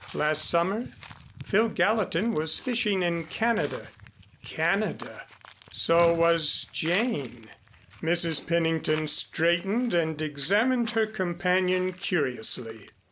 Last summer? Phil Gallatin was fishing in Canada Canada! So was Jane! Mrs. Pennington straightened and examined her companion curiously.